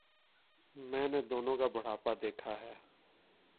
میں نے دونوں کا بڑھاپا دیکھا ہے۔